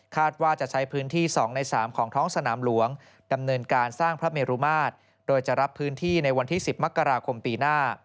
ว่าจะใช้พื้นที่๒ใน๓ของท้องสนามหลวงดำเนินการสร้างพระเมรุมาตรโดยจะรับพื้นที่ในวันที่๑๐มกราคมปีหน้า